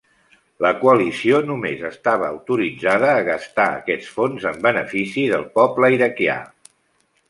La Coalició només estava autoritzada a gastar aquests fons en benefici del poble iraquià.